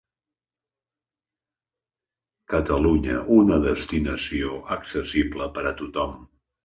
Catalunya, una destinació accessible per a tothom.